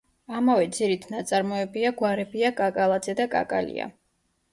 ამავე ძირით ნაწარმოებია გვარებია: კაკალაძე და კაკალია.